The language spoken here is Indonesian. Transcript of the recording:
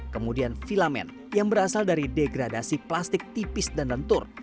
kemudian filament yang berasal dari degradasi plastik tipis dan lentur